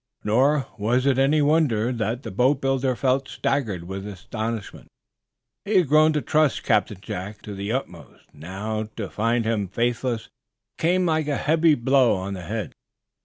Nor was it any wonder that the boatbuilder felt staggered with astonishment. He had grown to trust Captain Jack Benson to the utmost. Now, to find him faithless came like a heavy blow on the head.